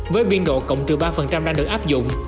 với biên độ cộng trừ ba đang được áp dụng